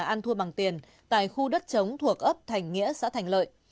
ăn thua bằng tiền tại khu đất chống thuộc ấp thành nghĩa xã thành lợi